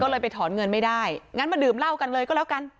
ก็เลยไปถอนเงินไม่ได้งั้นมาดื่มเหล้ากันเลยก็แล้วกัน